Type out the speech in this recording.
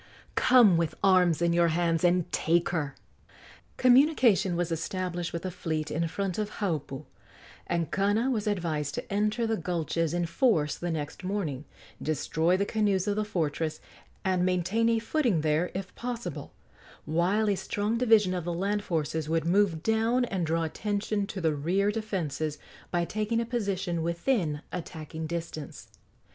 Come with arms in your hands and take her!" Communication was established with the fleet in front of Haupu, and Kana was advised to enter the gulches in force the next morning, destroy the canoes of the fortress, and maintain a footing there, if possible, while a strong division of the land forces would move down and draw attention to the rear defences by taking a position within attacking distance.